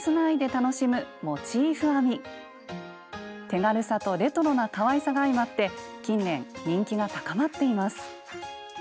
手軽さとレトロなかわいさが相まって近年人気が高まっています。